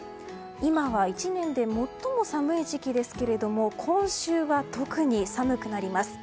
今は１年で最も寒い時期ですけれども今週は特に寒くなります。